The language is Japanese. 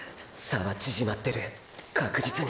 差はちぢまってる確実に。